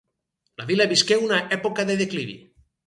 La vila visqué una època de declivi.